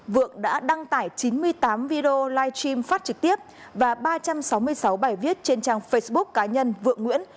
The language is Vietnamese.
vượng đã đăng tải chín mươi tám video live stream phát trực tiếp và ba trăm sáu mươi sáu bài viết trên trang facebook cá nhân vượng nguyễn